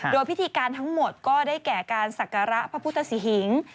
โดยพิธีการทั้งหมดก็ได้แก่การศักระพระพุทธศิหิง